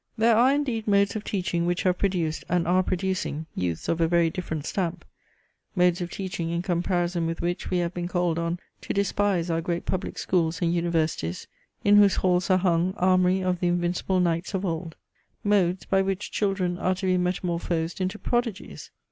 There are indeed modes of teaching which have produced, and are producing, youths of a very different stamp; modes of teaching, in comparison with which we have been called on to despise our great public schools, and universities, in whose halls are hung Armoury of the invincible knights of old modes, by which children are to be metamorphosed into prodigies.